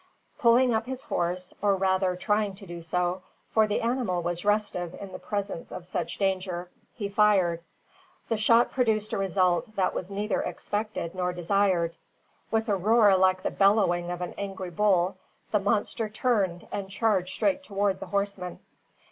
Pulling up his horse, or rather trying to do so, for the animal was restive in the presence of such danger, he fired. The shot produced a result that was neither expected nor desired. With a roar like the bellowing of an angry bull, the monster turned and charged straight towards the horseman.